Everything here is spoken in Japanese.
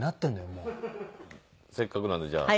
せっかくなんでじゃあ。